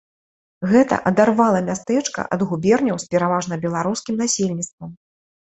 Гэта адарвала мястэчка ад губерняў з пераважна беларускім насельніцтвам.